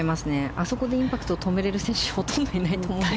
あそこでインパクトを止められる選手はほとんどいないと思います。